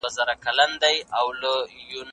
ماشوم په دیوال پورې تکیه وکړه.